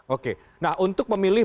oke nah untuk memilih